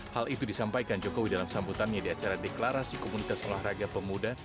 hal itu disampaikan jokowi dalam sambutannya di acara deklarasi komunitas olahraga pemuda